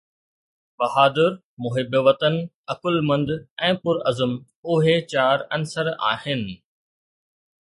بهادر، محب وطن، عقلمند ۽ پرعزم اهي چار عنصر آهن.